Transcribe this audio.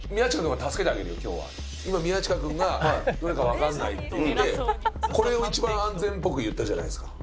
今宮近君が「どれかわかんない」って言ってこれを一番安全っぽく言ったじゃないですか。